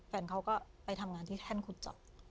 แฟนเขาก็ไปทำงานที่แท่นขุดเจาะ